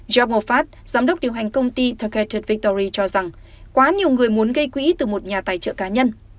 john moffat giám đốc điều hành công ty targeted victory cho rằng quá nhiều người muốn gây quỹ từ một nhà tài trợ cá nhân